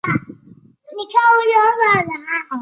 浙江乡试第六十三名。